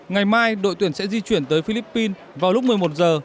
ngày mai đội tuyển sẽ di chuyển tới philippines vào lúc một mươi một giờ